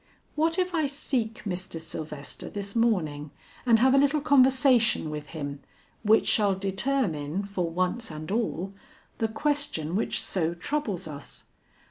What if I seek Mr. Sylvester this morning and have a little conversation with him, which shall determine, for once and all, the question which so troubles us?